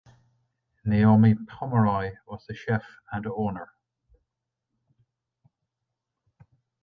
Naomi Pomeroy was the chef and owner.